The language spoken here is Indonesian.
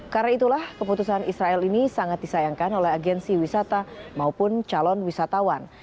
karena itulah keputusan israel ini sangat disayangkan oleh agensi wisata maupun calon wisatawan